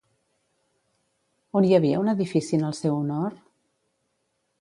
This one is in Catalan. On hi havia un edifici en el seu honor?